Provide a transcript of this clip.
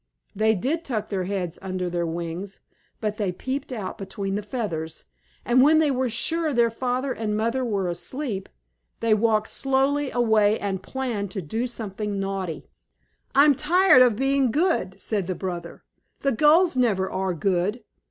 They did tuck their heads under their wings, but they peeped out between the feathers, and when they were sure their father and mother were asleep, they walked softly away and planned to do something naughty. "I'm tired of being good," said the brother. "The Gulls never are good.